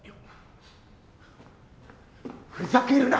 ふざけるな！